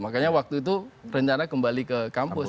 makanya waktu itu rencana kembali ke kampus